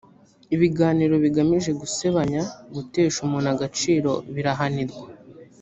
ibiganiro bigamije gusebanya gutesha umuntu agaciro birahanirwa